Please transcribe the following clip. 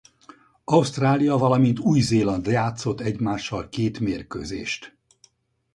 Ausztrália valamint Új-Zéland játszott egymással két mérkőzést.